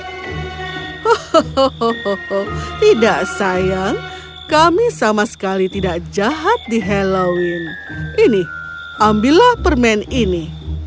hohoho tidak sayang kami sama sekali tidak jahat di halloween ini ambillah permen ini